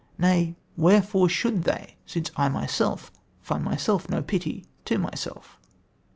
Nay, wherefore should they, since that I myself Find in myself no pity to myself?"